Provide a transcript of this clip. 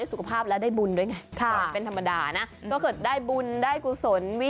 สุขภาพและได้บุญด้วยไงเป็นธรรมดานะก็เกิดได้บุญได้กุศล